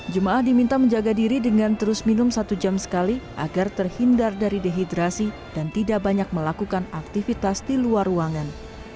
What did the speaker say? jemaah diminta menjaga diri dengan terus minum satu jam sekali agar terhindar dari dehidrasi dan tidak banyak melakukan aktivitas di luar ruangan